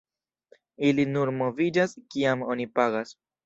Ili nur moviĝas kiam oni pagas.